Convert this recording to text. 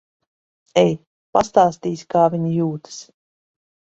Ej. Pastāstīsi, kā viņa jūtas.